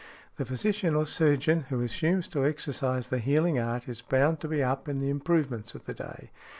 The physician or surgeon who assumes to exercise the healing art is bound to be up to the improvements of the day.